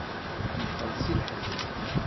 Temxell si leḥzen.